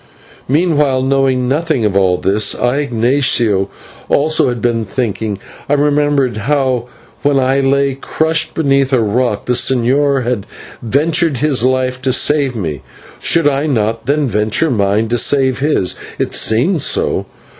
Meanwhile, knowing nothing of all this, I, Ignatio, also had been thinking. I remembered how, when I lay crushed beneath the rock, the señor had ventured his life to save me. Should I not then venture mine to save his? It seemed so.